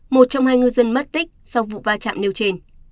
một trong hai ngư dân mất tích sau vụ va chạm nêu trên